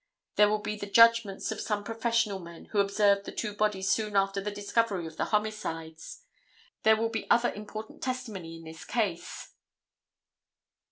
There will be the judgments of some professional men who observed the two bodies soon after the discovery of the homicides. There will be other important testimony in this case.